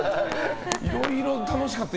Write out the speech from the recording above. いろいろ楽しかった。